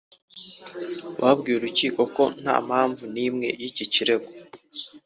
babwiye urukiko ko nta mpamvu n’imwe y’iki kirego